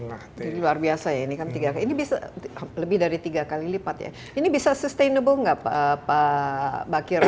jadi luar biasa ya ini kan tiga kali ini bisa lebih dari tiga kali lipat ya ini bisa sustainable nggak pak bakir